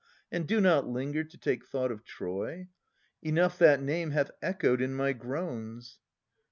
And do not linger to take thought of Troy. Enough that name hath echoed in my groans.